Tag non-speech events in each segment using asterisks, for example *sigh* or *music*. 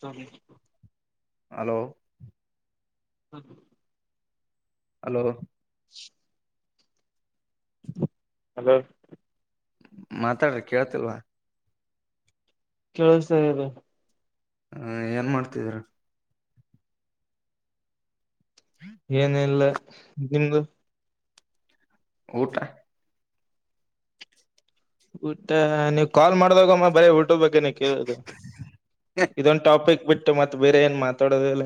Solih hello ಹ hello *inaudible* hello ಮಾತಾಡ್ರಿ ಕೇಳ್ತಿಲ್ವಾ ಕೆಲಸಾಗೆದ್ದ ಹ ಏನ್ ಮಾಡ್ತಿದ್ರ. ಏನಲ್ಲ ನಿಮ್ ಊಟ ಊಟ್ಟ ನೀವ್ ಕಾಲ್ ಮಾಡಿದಾಗಮ್ಮ ಬರೀ ಊಟದ ಬಗೆನ ಕೇಳದ ಇದೊಂದು ಟಾಪಿಕ್ ಬಿಟ್ಟ ಟ್ಟ ಮತ್ತ ಬೇರೆ ಏನ್ ಮಾತಾಡೋದಿಲ್ಲ.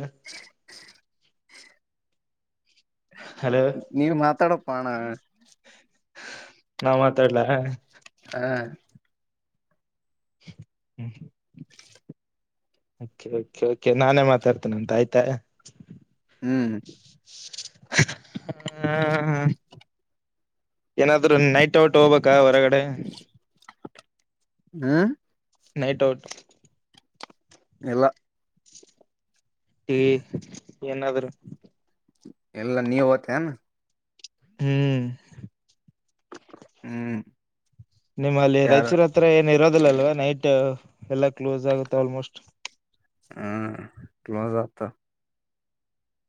ಹಲೋ ನೀ ಮಾತಾಡ ಪಾ ಅಣ್ಣಾ. ನಾ ಮಾತಾಡ್ಲಾ ಹಾ ಹ್ಮ್ ಹ್ಮ ಕೆ ನಾನೇ ಮಾತಾಡ್ತೇನೆ ಅಂತ ಆಯ್ತಾ ಹ್ಮ್ ಹ್ಮ ಹ ಏನಾದ್ೂ ನೈಟ್ ಔಟ್ ಹೋಗ್ಬೇಕಬೇಕ ಹೊರಗಡೆ ಹ್ಮ ನೈಟ್ ಔಟ್ ಇಲ್ಲ ಏನಾದ್್ರರು ಎಲ್ಲಾ ನೀವ ತ್ತನಾ ಹ್ಮ್ ಹ್ಮ್ ನಿಮ್ಮಲ್ಲಿ ಯಾರ ರೈಚೂರ ಹತ್ರ ಏನಿರೋ ಅಲ್ವಾ ನೈಟ್ ಎಲ್ಲ ಕ್ಲೋಸ್ ಆಗುತ್ತೆ ಆಲ್ಮೋಸ್ಟ್ ಹ್ಮ್ ಕಲ ಜತ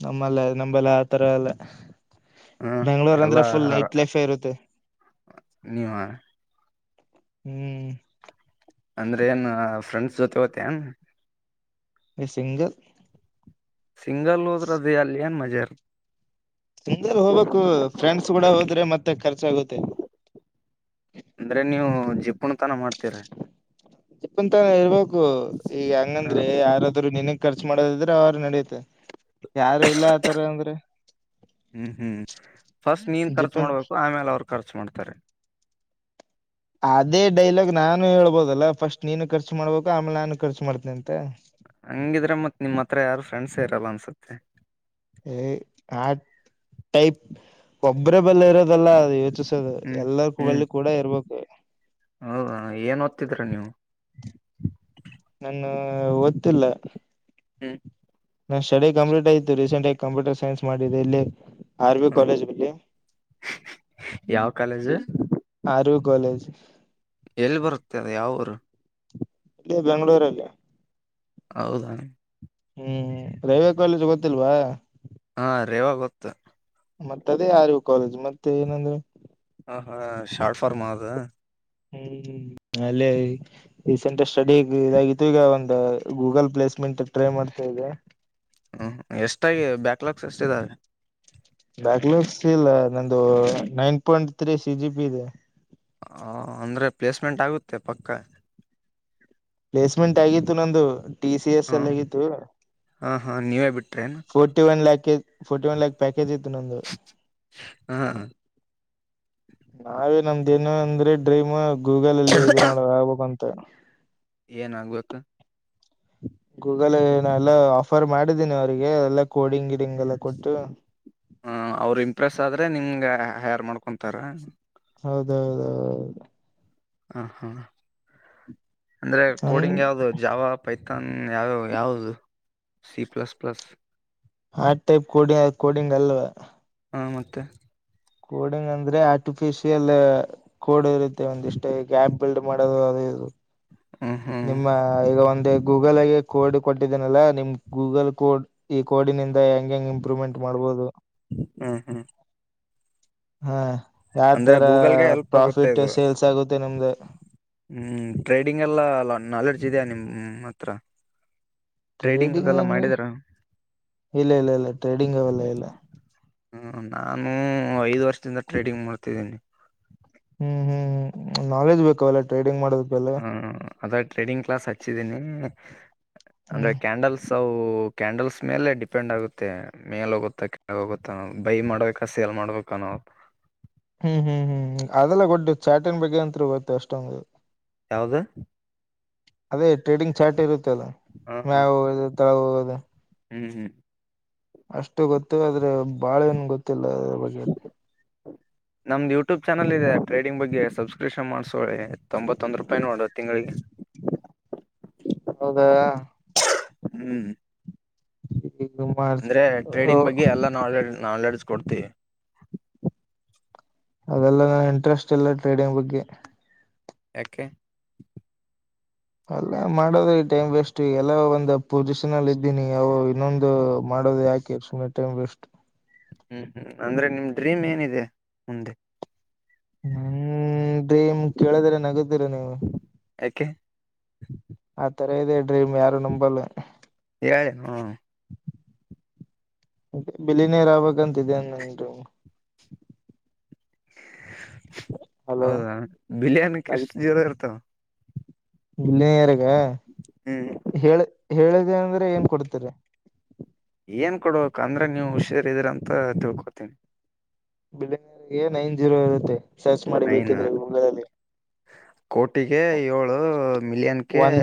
ನಮ್ಮಲ್ಲ ನಂಬಲ್ಲ ಆ ತರ ಎಲ್ಲ ಹ್ಮ್ ಬೆಂಗ್ಳೂರ್ ಅಂದ್ರೆ ಎಲ್ಲಾ ಫುಲ್ ನೈಟ್ ಲೈಫೇ ಇರುತ್ತೆ ನೀವ ಹ್ಮ್ ಅಂದ್ರೆ ಏನ್ ಫ್ರೆಂಡ್ಸ್ ಜೊತೆ ತೇನ್ ಇ ಸಿಂಗಲ್ ಸಿಂಗಲ್ಲೂರ್್ರದ್ದ ಅಲ್ಲಿ ಏನ್ ಮಜಾಾರ ನಿಲ್ ಹೋಗ್ಬೇಕು ಫ್ರೆಂಡ್ಸ್ ಕೂಡ ಹೋದ್ರೆ ಮತ್ತೆ ಖರ್ಚಾಗುತ್ತೆ ಅಂದ್ರೆ ನೀವು ಜಿಪ್ಪಣ ತನ ಮಾಡ್ತೀರ ಚಪ್ಪಂತಾನ ಇರ್ಬೇಕು ಈಗ ಹ ಹಂಗಂದ್ರೆ ಯಾರಾದ್ರರು ನಿನಕ್ ಖರ್ಚು ಮಾಡೋದಿದ್ರೆ ಅವರು ನಡಿಯುತ್ತೆ ಯಾರು ಇಲ್ಲ ಆತರ ಅಂದ್ರೆ ಹ್ಮ್ ಹ್ಮ್ ಫಸ್ಟ್ ನೀನ್ ಖರ್ಚು ಜಿಪನ್ ಮಾಡ್ಬೇಕು ಆಮೇಲೆ ಅವರ ಖರ್ಚು ಮಾಡ್ತಾರೆ. *unintelligible* ಅದೇ ಡೈಲಾಗ್ ನಾನು ಹೇಳ್ಬೋದಲ್ಲ ಫಸ್ಟ್ ನೀನು ಖರ್ಚು ಮಾಡ್ಬೇಕ ಆಮೇಲೆ ನಾನು ಖರ್ಚು ಮಾಡ್ತೇನೆ ಅಂತೇ *unintelligible* ಹಂಗಿದ್ರೆ ಮತ್ ನಿಮ್ ಹತ್ರ ಯಾರು ಫ್ರೆಂಡ್ಸ್ *unintelligible* ಏ ಆಟ ಟೈಪ್ ಒಬ್ಬರ ಬೆಲ್ಲ ಇರೋದಲ್ಲ ಯೋಚಿಸ *unintelligible* ಹ್ಮ್ ಎಲ್ಲಾ ಕೋವೈಲ್ ಹ್ಮ್ ಅಲ್ಲಿ ಕೂಡ ಇರ್ಬೇಕು. *unintelligible* ಹೌದ ಏನ್ ಓದ್ತಿದ್ದೀರಾ ನೀವು? *unintelligible* ಹ ಒತ್ತಿಲ್ಲ? *unintelligible* ನನ್ನ ಸ್ಟಡಿ ಕಂಪ್ಲೀಟ್ ಆಯತ್ತು ರೀಸೆಂಟ್ ಆಗಿ ಕಂಪ್ಯೂಟರ್ ಸೈನ್ಸ್ ಮಾಡಿದೆ ಇಲ್ಲೇ? *unintelligible* ಆರ್ವಿ ಕಾಲೇಜ್ ಅಲ್ಲಿ ಯಾವ ಕಾಲೇಜ್ ಆರ್ವಿ ಕಾಲೇಜ್ *unintelligible* *unintelligible* ಎಲ್ಲಿ ಬರುತ್ತದ ಯಾವರು? *unintelligible* ಇಲ್ಲೇ ಬೆಂಗಳೂರ್ ಅಲ್ಲಿ. *unintelligible* ಹೌದ *unintelligible* ಹೂ ರೈವೆ ಕಾಲೇಜ್ ಗೊತ್ತಿಲ್ವಾ? *unintelligible* ಹಾ ರೇವಾ ಗೊತ್ತ. *unintelligible* ಮತ್ತ ಅದೇ ಆರಿವಿ ಕಾಲೇಜ್ ಮತ್ತೆ ಏನಂದ್ರೆ *unintelligible* ಹ ಹಾ ಶಾರ್ಟ ಫಾರ್ಮ್ ಅದ *unintelligible* ಹು ಅಲೇ ರೀಸೆಂಟ್ ಸ್ಟಡಿ ಇದಾಗಿತ್ತು ಈಗ ಒಂದು ಗೂಗಲ್ ಪ್ಲೇಸ್ *unintelligible* ಮೆಂಟ್ *unintelligible* ಟ್ರೈ ಮಾಡ್ತಿದಿಯಾ? ಹು ಎಷ್ಟಾಗಿ ಬ್ಯಾಕ್ಲಾಗ್ಸ್ ಎಷ್ಟ ಇದಾವೆ. *unintelligible* ಬ್ಯಾಕ್ಲಾಗ್ಸ್ ಇಲ್ಲ ನಂದು nine point three C G P ಇದೆ. *unintelligible* ಆ ಅಂದ್ರೆ ಪ್ಲೇಸ್ಮೆಂಟ್ ಆಗುತ್ತೆ ಪಕ್ಕ? *unintelligible* ಪ್ಲೇಸ್ಮೆಂಟ್ ಆಗಿತ್ತು ನಂದು ಟಿ ಸಿ ಎಸ್ ಹ ಅಲ್ಲಿ ಆಗಿತ್ತು. *unintelligible* ಹಾ ಹಾ ನೀವೇ ಬಿಟ್ರೇನ್ ಫೋರ್ಟಿ ಒನ್ ಲ್ಯಾಕಜ್ ಫೋರ್ಟಿ ಒನ್ ಲ್ಯಾಕ್ ಪ್ಯಾಕೇಜ್ ಇತ್ತು ನಂದು. *unintelligible* ಹ *unintelligible* ನಾವೇ ನಮ್ದ ಇನು ಅಂದ್ರೆ ಡ್ರೀಮ್ ಗೂಗಲ್ ಅಲ್ಲಿ ಇದು ಮಾಡ ಆಗ್ಬೇಕಂತ. *unintelligible* ಏನ್ ಆಗಬೇಕ. *unintelligible* ಗೂಗಲ್ ಏನ್ ಎಲ್ಲ ಆಫರ್ ಮಾಡಿದ್ದೀನಿ ಅವರಿಗೆ ಅಲ್ಲ *unintelligible* ಕೋಡಿಂಗ ಗಿಡಿಂಗ್ ಎಲ್ಲಾ ಕೊಟ್ಟು. *unintelligible* ಅದೇ ನಿಮಗ ಹಯರ ಮಾಡ್ಕೊಂತಾರ. *unintelligible* ಹೌದ ಹೌದ *unintelligible* ಹ ಹಾ ಅಂದ್ರೆ ನನ್ ಕೋಡಿಂಗ್ ಯಾವುದು ಜಾವ ಪೈ *unintelligible* ತನ್ ಯಾವ ಯಾವದು ಸಿ ಪ್ಲಸ್ ಪ್ಲಸ್ *unintelligible* ಆ ಟೈಪ್ ಕೋಡಿ ಕೋಡಿಂಗ್ ಅಲ್ಲದ *unintelligible* ಹಾ ಮತ್ತ? *unintelligible* ಕೋಡಿಂಗ್ ಅಂದ್ರೆ ಆರ್ಟಿಫಿಶಿಯಲ್ ಕೋಡ್ ಇರುತ್ತೆ ಒಂದಿಷ್ಟೇ ಗ್ಯಾಪ್ ಬಿಲ್ಡ್ ಮಾಡೋದು ಇ *unintelligible* ಇದು *unintelligible* ಹ್ಮ್ ಹ್ಮ್ ನಿಮ್ಮ ಈಗ ಒಂದು ಐತಿ. *unintelligible* ಗೂಗಲ್ ಆಗೆ ಕೋಡ್ ಕೊಟ್ಟಿದ್ದೇನಲ್ಲಾ ನಿಮ್ ಗೂಗಲ್ ಕೋಡ್ ಈ ಕೋಡಿನಿಂದ ಹೆಂಗ ಹೆಂಗ್ ಇಂಪ್ರೂವ್ಮೆಂಟ್ ಮಾಡಬಹದು. *unintelligible* ಹ್ಮ್ ಹ್ಮ್ ಹಾ ಯಾವ ಅಂದ್ರೆ ತರ ಗೂಗಲ್ಗೆ ಹೆಲ್ಪ್ ಪ್ರಾಫಿಟ್ ಸೇಲ್ಸ್ ಆಗುತ್ತೆ ನಿಮ್ದ. *unintelligible* ಹೂ ಟ್ರೇಡಿಂಗ್ ಎಲ್ಲಾ ನಾಲೆಡ್ಜ್ ಇದೆ ನಿಮ್ಮ ಹತ್ರ. *unintelligible* ಟ್ರೇಡಿಂಗ್ ಅದೆಲ್ಲ ಏನ್ ಮಾಡಿದರ ಇಲ್ಲ ಇಲ್ಲ ಇಲ್ಲ ಟ್ರೇಡಿಂಗ್ ಅವೆಲ್ಲ ಇಲ್ಲ. *unintelligible* ಹಾ ನಾನು ಐದ ವರ್ಷದಿಂದ ಟ್ರೇಡಿಂಗ್ ಮಾಡ್ತಿದ್ದೀನಿ. *unintelligible* ಹು ಹು ಹು ನಾಲೆಜ್ ಬೇಕ ಅವೆಲ್ಲ ಟ್ರೇಡಿಂಗ್ ಮಾಡಬೇಕ *unintelligible* ಹ ಅದ ಟ್ರೇಡಿಂಗ್ ಕ್ಲಾಸ್ ಹಚ್ಚಿದ್ದೀನಿ. *unintelligible* ಅಂದ್ರೆ ಹ್ಮ್ ಕ್ಯಾಂಡಲ್ಸ್ ಅವು *unintelligible* ಕ್ಯಾಂಡಲ್ಸ್ ಮೇಲೆ ಡಿಪೆಂಡ್ ಆಗುತ್ತೆ ಮೇಲಹೋಗುತ್ತಾ ಕೆಳಹೋಗುತ್ತ ಬೈ ಮಾಡಬೇಕಾ ಸೇಲ್ ಮಾಡಬೇಕಾ ನೋಡ *unintelligible* *unintelligible* ಹು ಹು ಹು ಹು ಅದೆಲ್ಲ ಗೊಡ್ಡ ಚಾಟನ್ ಬಗ್ಗೆ ಅಂತ್ರು ಗೊತ್ತ ಅಷ್ಟ ನಮಗ *unintelligible* ಯಾವದ? *unintelligible* ಅದೇ ಟ್ರೇಡಿಂಗ್ ಚಾರ್ಟ್ ಇರುತ್ತೆ ಅಲ್ಲ ಹ ಮ್ಯವು ತಳದು. ಹ *unintelligible* ಅಷ್ಟು ಗೊತ್ತು ಆದ್ರೆ. ಬಾಳ ಏನ್ ಗೊತ್ತಿಲ್ಲ ಅದ್ರ ಬಗ್ಗೆ *unintelligible* ನಮ್ದು ಯೂಟ್ಯೂಬ್ ಚಾನಲ್ ಇದೆ ಟ್ರೇಡಿಂಗ್ ಬಗ್ಗೆ ಸಬ್ಸ್ಕ್ರಿಪ್ಷನ್ ಮಾಡ್ಸೋಳೆ ತೊಂಬತ್ತೊಂದ ರೂಪಾಯಿ ನೋಡುವ ತಿಂಗಳಿಗೆ. ಹೌದಾ. ಹ್ಮ್ *unintelligible* *unintelligible* ಮಾಡ್ ಅಂದ್ರೆ ಟ್ರೇಡಿಂಗ್ ಬಗ್ಗೆ ಎಲ್ಲಾ ನಾಲೆಡ್ ನಾಲೆಡ್ಸ್ ಕೊಡ್ತಿೀವಿ. ಅದೆಲ್ಲ ಇಂಟ್ರೆಸ್ಟ್ ಇಲ್ಲ ಟ್ರೇಡಿಂಗ್ ಬಗ್ಗೆ. ಯಾಕೇ. ಅಲ್ಲ ಮಾಡೋದು ಈ ಟೈಮ್ ವೇಸ್ಟ್ ಎಲ್ಲ ಒಂದ ಪೊಸಿಷನ್ ಅಲ್ಲಿ ಇದ್ದೀನಿ ಅವು ಇನ್ನೊಂದು. ಮಾಡೋದು ಯಾಕೆ ಸುಮ್ಮನೆ ಟೈಮ್ ವೆಸ್ಟ್. ಹ್ಮ್ ಹ್ಮ್ ಅಂದ್ರೆ ನಿಮ್ ಡ್ರೀಮ್ ಏನಿದೆ ಮುಂದೆ. ೇಮ ಕೇಳಿದ್ರೆ ನಗುದಿರ ನೀವು ಯಾಕೆ ಆ ತರ ಇದೆ. ಯಾರು ನಂಬಲ್ಲ. ಹೇಳೆ ಹ್ಮ ಮತ್ತೆ ಬಿಳ ನೀೇರಾವಾಗಂತಿದೆೇ ನನ್ರು. *unintelligible* ಹಲೋ ಹೌದಾ ಬಿರಿಯಾನಿಕ್ಕೆ ಎಷ್ಟು ಜೋರ ಇರ್ತಾವ. ಇಲ್ಲಿನರ್ಾಗ ಹ್ಮ್ ಹೇಳ ಹೇಳಿದೆ ಅಂದ್ರೆ ಏನ್ ಕೊಡ್ತರಿ. ಏನ್ ಕೊಡ್ಬೇಕ ಅಂದ್ರೆ ನೀವು ಹುಷಾರಿದಿ್ರ ಅಂತ ತಿಳ್ಕೊತೀನಿ. ಬಿಳ್ಳಂಗರಿಗೆ ನೈನ್ ಜೀರೋ ಇರುತ್ತೆ ಸರ್ಚ್ ಮಾಡಿ ನೈನ್ ಬೇಕಿದ್ರೆ ಗೂಗಲ ಅಲ್ಲಿ. ಕೋಟಿಗೆ ಏಳು ಮಿಲಿಯನ್ಗೆ. ಒನ್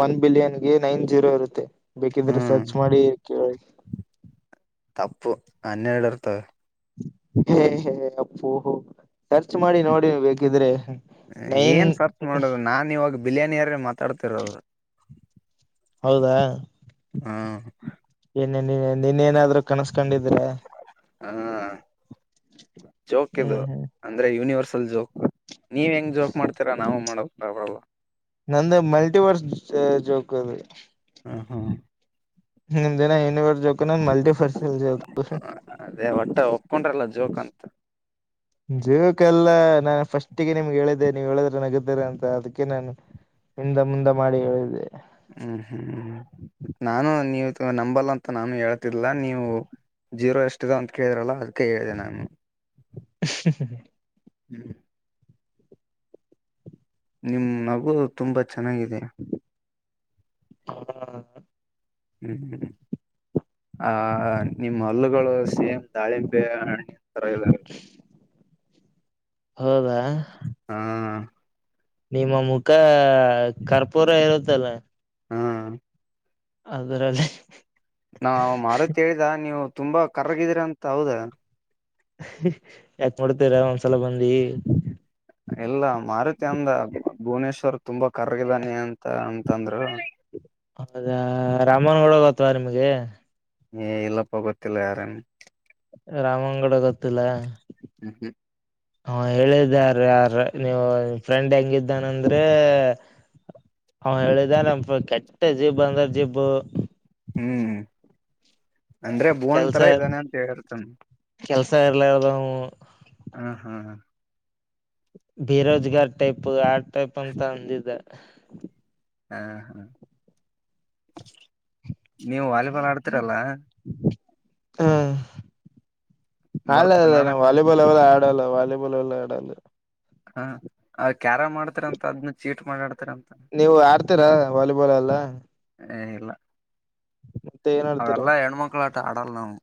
ಒನ್ ಬಿಲಿಯನ್ಗೆ ನೈನ್ ಜೀರೋ ಇರುತ್ತೆ. ಬೇಕಿದ್ರೆ ಹ್ಮ್ ಸರ್ಚ್ ಮಾಡಿ ಕೇಳಿ. ತಪ್ಪು ಹನ್ನೆರಡು ಇರ್ತಿವೆ. ಹೇ ಹೇ ಅಪ್ಪುಹ ಸರ್ಚ್ ಮಾಡಿ ನೋಡಿ ಬೇಕಿದ್ರೆ. ನೈನ್ ಏನ್ ರ್ಚ್ ಮಾಡೋುದು ನಾನ್ ಇವಾಗ ಬಿರಿಯಾನಿರೆ ಮತ್ತ. ಹೌದಾ. ಹಾ. ನಿನ್ನ ನಿನ್ನೇನಾದ್ರು ಕನಸ್ಕೊಂಡಿದ್ರೆ. ಜೋಕ್ಯದುು ಅಂದ್ರೆ ಯೂನಿವರ್ಸ್. ಜೋಗ ನೀವ್ ಹೆಂಗ್ ಜೋೋಗ ಮಾಡ್ತೀರಾ ನಾವ ಮಾಡಬ. ನಂದು ಮಲ್ಟಿವರ್ಸ್ ಜೋಕ್ ಅದು. ಹಾ ಹಾ. ನಿ್ಮನ ಯುನಿವರ್ಸ್ ಜೋಗಕ ಮಲ್ಟಿಪರ್ಸಲ್. ಅದೇ ಒಟ್ಟ ಒಪ್ಕೊಂಡ್ರಲ್ಲ ಜೋಕ್ ಅಂತ ಜೀವಕ್ಕೆಲ್ಲಾ ನಾನ್ ಫಸ್ಟಿಗೆ ನಿಮ್ಗೆ ಹೇಳಿದೆೆ ನೀವ್ ಹೇಳಿದ್ರೆ ನಗುತ್ತರ ಅಂತ ಅದಕ್ಕೆ ನಾನು. ಹಿಂದ ಮುಂದೆ ಮಾಡಿ ಹೇಳೆ. ಹ್ಮ್ ಹ್ಮ್ ನಾನು ನೀವು ನಂಬಲ್ ಅಂತ ನಾನು ಹೇಳ್ತಿಲ್ಲ ನೀವು. ಜೀರೋ ಎಷ್ಟಿದೆೋ ಅಂತ ಕೇಳಿದ್ರಲ್ಲ ಅದಕ ಹೇಳಿದೆ ನಾನು. ಹ *unintelligible* *unintelligible* ನಿಮ ನಗು ತುಂಬಾ. ಚೆನ್ನಾಗಿದೆ ಹ ಹ್ಮ್ ಆ ನಿಮ್ಮ ಹಲ್ಲುಗಳು ಸೇಮ್ ದಾಳಿಂಬೆ ಹಣ್ಣು ತರ ಇಲ್ಲ. ಹೌದಾ. ಹಾ. ನಿಮ್ಮ ಮುಖ ಕರ್ಪೂರ ಇರುತ್ತಲ್ಲ. ಹಾ. ಅದರಲ್ಲಿ. ನಾ ಮಾರುತಿ ಹೇಳಿದ ನೀವು ತುಂಬಾ ಕರಗಿದೀ್ರ ಅಂತ ಹೌದ. ಯಾಕ ಮಾಡಡ್ತೀರ ಒಂದ್ಸಲ ಬಂದಿ. ಎಲ್ಲ ಮಾರುತಿ ಅಂದ ಭುವನೇಶ್ವರ್ ತುಂಬಾ ಕರಗಿದಾನೆ ಅಂತ ಮ ಅಂತಂದ್ರರು ಹೌದಾ ರಾಮನ್ ಹಗತ್ವಾ ನಿಮಗೆ ಏ ಇಲ್ಲಪ್ಪ ಗೊತ್ತಿಲ್ಲ ಯಾರೇನು ರಾಮಂಗಡ ಗೊತ್ತಿಲ್ಲ ಹ್ಮ ಹ್ಮ ಹಾ ಹೇಳಿದಾರ ಯಾರ ನೀವು ಫ್ರೆಂಡ್ ಹೆಂಗಿದ್ದಾನಂದ್ರೆ ಹ ಹೇಳಿದಿದ್ದಾರೆ ಕೆಟ್ಟ ಜೀಬ್ ಅಂದ್ರ ಜೀಬ್ ಹ್ಮ್ ಅಂದ್ರೆ ಭೂನ್ ತರ ಕೆಲ್ಸ ಇದಾನೆ ಅಂತ ಹೇಳಿರ್ತಾನ ಕೆಲ್ಸ ಇರ್ಲದು ಹಾ ಹಾ ಬೇರೋಜ್ಗಾರ್ ಟೈಪ್ ಆ ಟೈಪ್ ಅಂತ ಅಂದಿದೆ ಹಾ ಹಾ ನೀವು ವಾಲಿಬಾಲ್ ಆಡ್ತೀರಲ್ಲ ಹ್ಮ್ ನಲ್ಲ ಬರ್ತ ಅಲ್ಲ ನೋಡಕ ವಾಲಿಬಾಲ್ ಅವಲ್ಲ ಆ ಇಡಾಲ ವಾಲಿಬಾ ಎಲ್ಲ ಇಡಲ್ಲ ಹಾ ಕ್ಯಾರ ಮಾಡ್ತಾರ ಅಂತ ಅದ್ನ್ನು ಚೀಟ್ ಮಾಡಾಡ್ತಾರ ಅಂತ ಇತರ ವಾಲಿಬಾಲ್ ಎಲ್ಲ ಹ ಇಲ್ಲ ಮತ್ತೆ ಏನ್ ಅವೆಲ್ಲ ಹೆಣಮಕ್ಕಳ ಆಟ ಆಡಲ್ಲ ನವು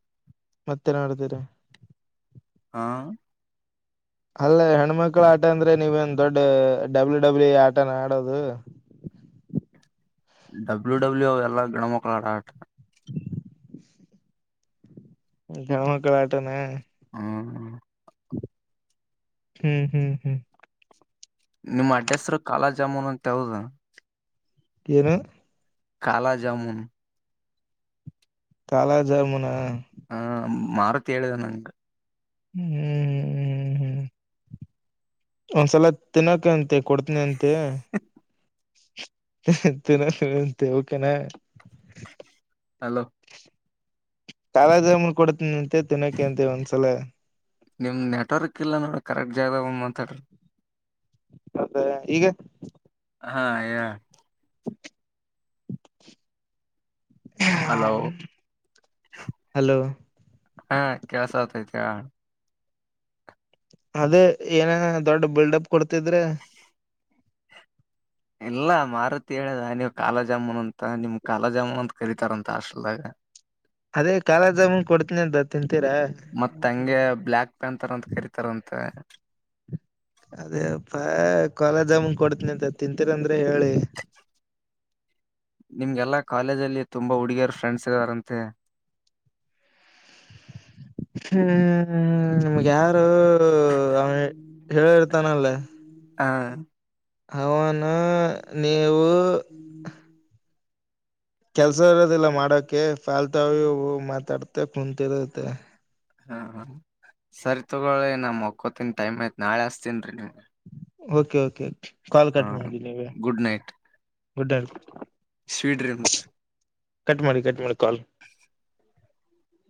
ಮತ್ತೆಲ್ಲ ಮಾಡಡ್ತೀರ ಹಾ ಅಲ್ಲ ಹೆಣ್ಮಕ್ಳ ಆಟ ಅಂದ್ರೆ ನೀವೇನ್ ದೊಡ್ಡ ಡಬ್ಲ್ಯೂ ಡಬ್ಲ್ಯೂ ಇ ಆಟ ಆಡೋದು ಡಬ್ಲ್ಯೂ ಡಬ್ಲ್ಯೂ ಎಲ್ಲಾ ಗಣಮಕ್ಕಳು ಆಡ ಆಟ ಗ ಮಕ್ಕಳ ಆಟನ ಹ್ಮ್ ಹ್ಮ್ ಹ್ಮ್ ಹ್ಮ್ ನಿಮ್ಮ್ ಅಡ್ರೆಸರು ಕಾಲಾ ಜಾಮೂನ್ ಅಂತ ಹಾವದಾ ಕನು ಕಾಲಾ ಜಾಮನ್ ಕಾಲ ಜಾಮುನ ಹಾ ಮಾರುತ್ ಹೇಳಿದೆ ನಂಗ ಹ್ಮ್ ಹ್ಮ್ ಹ್ಮ್ ಹ್ಮ್ ಹ್ಮ್ ಒಂದ್ಸಲ ತಿನ್ನಕ ಅಂತೆ ಕೊಡ್ತನಿ ಅಂತೆ ತನ ತೆಕ ಹಲೋ ಕಾಲಜಮನ್ ಕೊಡ್ತೀನಿ ಅಂತೆ ತಿನ್ನಕೆ ಅಂತೆ ಒಂದ್ಸಲ ನಿಮ್ ನೆಟ್ವರ್ಕ್ ಇಲ್ಲ ನೋಡ ಕರೆಕ್ಟ್ ಜಾಗ ಮಾತಾಡ್ರಿ ಹೌದೇ ಈಗ ಹಾ ಯಾರ ಹಲೋ *inaudible* ಹಲೋ ಹಾ ಕೆಲಸ ಆಗ್ತೈತಿ ಅದೇ ಏನ ದೊಡ್ ಬಿಲ್ಡಪ್ ಕೊಡ್ತಿದ್ರೆ ಇಲ್ಲ ಮಾರುತಿ ಹೇಳದ ನೀವು್ ಕಾಲ ಜಾಮೂನ್ ಅಂತ ನಿಮ್ ಕಾಲ ಜಾಮೂನ್ ಅಂತ ಕರಿತಾರಂತ ಆಷ್ಟಲ್ದಾಗ ಅದೇ ಕಾಲ ಜಾಮನ್ ಕೊಡ್ತನಿ ಅಂತ ತಿಂತೀರಾ ಮತ್ತ ಹಂಗೆ ಬ್ಲಾಕ್ ಪ್ಯಾಂ ತರ ಅಂತ ಕರತಾರಂತೆ ಅದೇ ಪ ಕಾಲ ಜಮನ್ ಕೊಡ್ತನಿ ಅಂತ ತಿಂತೀರಂದ್ರೆ ಹೇಳಿ *inaudible* ನಿಮ್ಗೆಲ್ಲಾ ಕಾಲೇಜ ಅಲ್ಲಿ ತುಂಬಾ ಹುಡುಗಿಯರು ಫ್ರೆಂಡ್ಸ್ ಇದ್ದಾರಂತೆ ಹ್ಮ್ ನಮ್ಗೆ ಯಾವ ಹೇಳಿರ್ತಾನಲ್ಲ ಹಾ ಅವನು ನೀವು ಕೆಲ್ಸ ಇರೋದಿಲ್ಲ ಮಾಡಕೆ ಫಾಲ್ತಾವವು ಮಾತಾಡ್ತ ಕುಂತಿರುತ್ತೆ ಹಾ ಹ ಸರಿ ತಗೊಳಿ ನಾ ಮಕೋತೀನ್ರೀ ಟೈಮ್ ಆಯ್ತ್ ನಾಳೆ ಅಸ್ತನ್ ರೀ ನೀವ್ ಓಕೆ ಓಕೆಓಕ ಕಾಲ್ ಹಾ ಕಟ್ ಮಾಡಿ ನೀವೆ good night good R sweet dreams cut ಮಾಡಿ ಕಟ್ ಮಾಡರಿ ಕಾಲ್